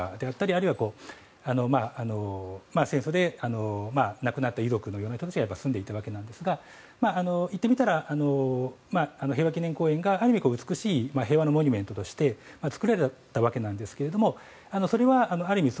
あるいは戦争で亡くなった遺族のような人たちが住んでいたわけなんですがいってみたら平和記念公園が美しい平和のモニュメントとして作られたわけなんですがそれはある意味